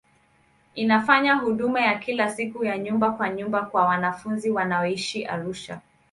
Inafanya huduma ya kila siku ya nyumba kwa nyumba kwa wanafunzi wanaoishi Arusha.